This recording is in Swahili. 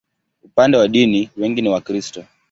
Upande wa dini, wengi ni Wakristo.